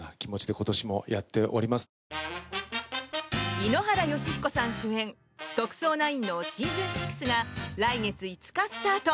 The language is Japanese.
井ノ原快彦さん主演「特捜９」のシーズン６が来月５日スタート。